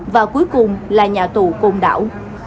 và cuối cùng là nhà tù côn đảo